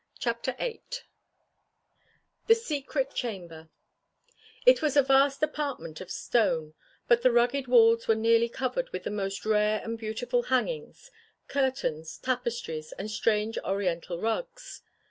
CHAPTER VIII THE SECRET CHAMBER It was a vast apartment of stone, but the rugged walls were nearly covered with the most rare and beautiful hangings curtains, tapestries and strange oriental rugs.